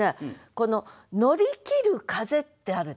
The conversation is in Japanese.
この「乗り切る風」ってあるでしょ。